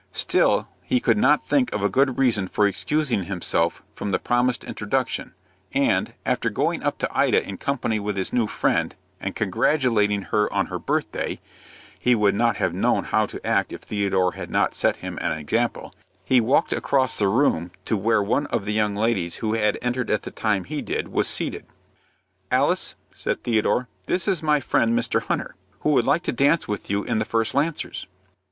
Still he could not think of a good reason for excusing himself from the promised introduction, and, after going up to Ida in company with his new friend, and congratulating her on her birthday (he would not have known how to act if Theodore had not set him an example), he walked across the room to where one of the young ladies who had entered at the time he did was seated. "Alice," said Theodore, "this is my friend Mr. Hunter, who would like to dance with you in the first Lancers."